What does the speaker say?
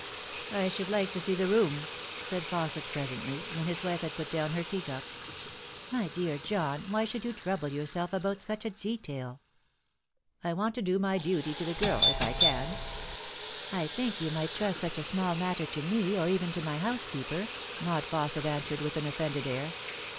" I should like to see the room," said Fausset presently, when his wife had put down her teacup. "My dear John, why should you trouble yourself about such a detail ?"" I want to do my duty to the girl if I can." " I think you might trust such a small matter to me, or even to my housekeeper," Maud Fausset answered with an offended air.